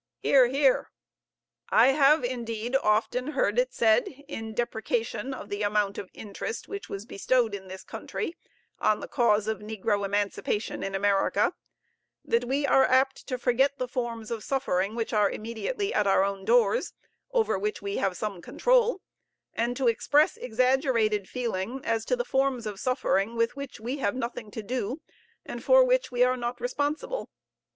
(Hear, hear.) I have, indeed, often heard it said in deprecation of the amount of interest which was bestowed in this country on the cause of negro emancipation in America, that we are apt to forget the forms of suffering which are immediately at our own doors, over which we have some control, and to express exaggerated feeling as to the forms of suffering with which we have nothing to do, and for which we are not responsible.